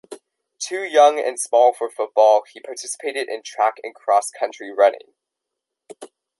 Too young and small for football, he participated in track and cross country running.